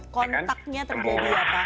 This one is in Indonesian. kontaknya terjadi di mana